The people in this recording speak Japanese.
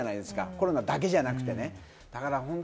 コロナだけじゃなくてね。